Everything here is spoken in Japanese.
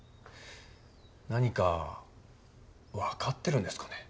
何か分かってるんですかね。